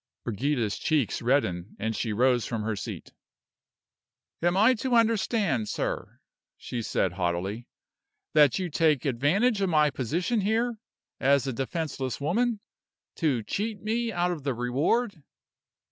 Brigida's cheeks reddened, and she rose from her seat. "Am I to understand, sir," she said, haughtily, "that you take advantage of my position here, as a defenseless woman, to cheat me out of the reward?"